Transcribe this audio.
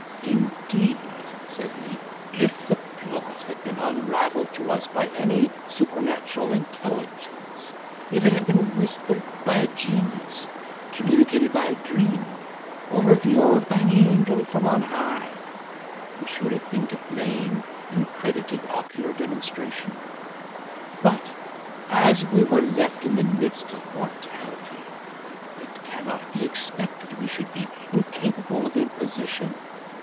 "Indeed," said he, "if the plot had been unravelled to us by any supernatural intelligence; if it had been whispered by a genius, communicated by dream, or revealed by an angel from on high, we should have been to blame in crediting ocular demonstration; but as we were left in the midst of mortality, it cannot be expected we should be incapable of imposition.